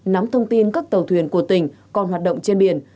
nắm thông tin các tàu thuyền của tỉnh còn hoạt động trên biển